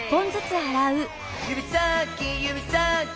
「ゆびさーきゆびさーき」